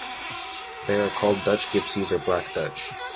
They are called Dutch Gypsies or Black Dutch.